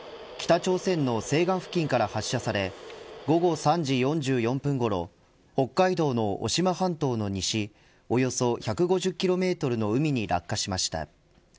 北朝鮮の西岸付近から発射され午後３時４４分ごろ北海道の渡島半島の西およそ１５０キロメートルの海に落下しました。